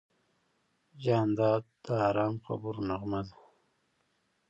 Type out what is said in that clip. جانداد د ارام خبرو نغمه ده.